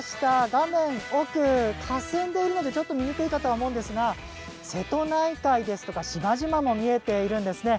画面を奥かさんでいるのでちょっと見にくいかもしれませんが瀬戸内海ですとか島々も見えているんですね。